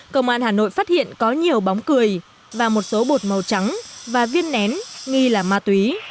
công an hà nội phát hiện có nhiều bóng cười và một số bột màu trắng và viên nén nghi là ma túy